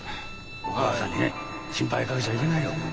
お母さんにね心配かけちゃいけないよ。